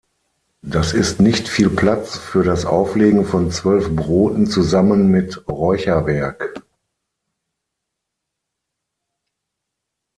Das ist nicht viel Platz für das Auflegen von zwölf Broten zusammen mit Räucherwerk.